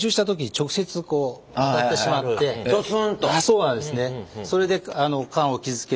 そうなんですね。